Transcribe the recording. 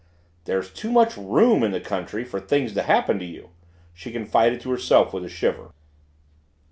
"There's too much ROOM in the country for things to happen to you!" she confided to herself with a shiver.